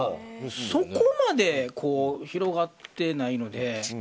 そこまで、広がってないので。